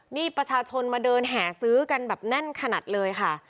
นี่ประชาชนมาเดินแห่ซื้อกันแบบแน่นขนาดเลยค่ะ